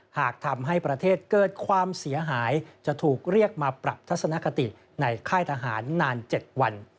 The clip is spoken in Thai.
หากทำให้ประเทศเกิดความเสียหายจะถูกเรียกมาปรับทัศนคติในค่ายทหารนาน๗วัน